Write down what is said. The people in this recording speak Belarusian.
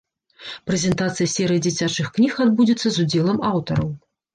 Прэзентацыя серыі дзіцячых кніг адбудзецца з удзелам аўтараў.